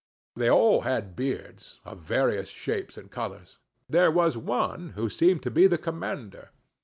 They all had beards, of various shapes and colors. There was one who seemed to be the commander.